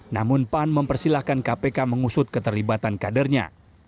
namun pan mempersilahkan kpk mengusut keterlibatan kadernya